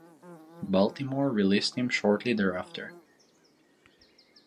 Baltimore released him shortly thereafter.